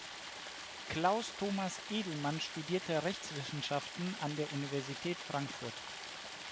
Klaus Thomas Edelmann studierte Rechtswissenschaften an der Universität Frankfurt.